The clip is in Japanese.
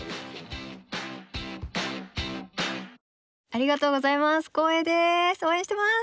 ありがとうございます。